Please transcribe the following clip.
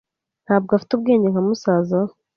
Ntabwo afite ubwenge nka musaza we.